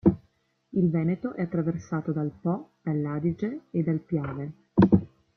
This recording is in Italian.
Il Veneto è attraversato dal Po, dal'Adige e dal Piave.